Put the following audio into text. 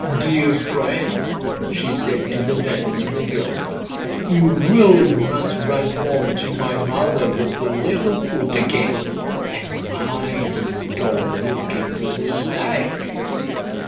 "Dear friend", she said to the Man o' the Hill, "you really must run home to my mother with a little food again; and mind you don't look into the sack."